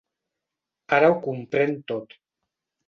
Ara ho comprèn tot.